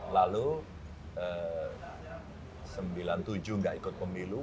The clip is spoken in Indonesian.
lalu sembilan puluh tujuh nggak ikut pemilu